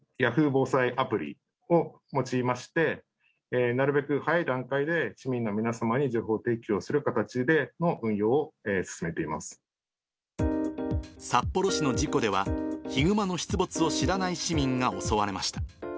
防災アプリを用いまして、なるべく早い段階で市民の皆様に情報提供する形での運用を進めて札幌市の事故では、ヒグマの出没を知らない市民が襲われました。